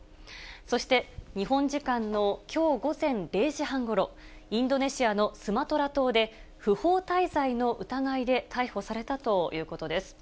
そして、日本時間のきょう午前０時半ごろ、インドネシアのスマトラ島で、不法滞在の疑いで逮捕されたということです。